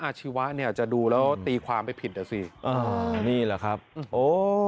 ชีวะเนี่ยจะดูแล้วตีความไปผิดอ่ะสิอ่านี่แหละครับโอ้